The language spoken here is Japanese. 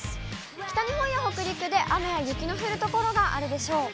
北日本や北陸で雨や雪の降る所があるでしょう。